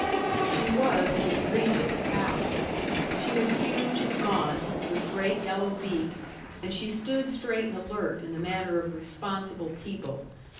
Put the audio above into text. She was an egregious fowl. She was huge and gaunt, with great yellow beak, and she stood straight and alert in the manner of responsible people.